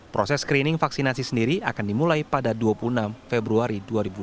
proses screening vaksinasi sendiri akan dimulai pada dua puluh enam februari dua ribu dua puluh